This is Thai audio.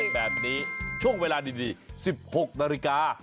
แบบนี้ช่วงเวลาดี๑๖นาฬิกา